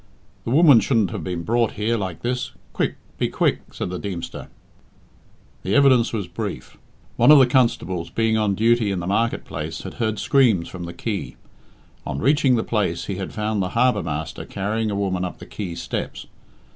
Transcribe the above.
"The woman shouldn't have been brought here like this quick, be quick," said the Deemster. The evidence was brief. One of the constables being on duty in the market place had heard screams from the quay. On reaching the place, he had found the harbour master carrying a woman up the quay steps.